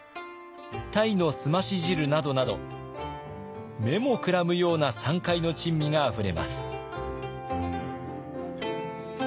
タイの澄まし汁などなど目もくらむような山海の珍味があふれます。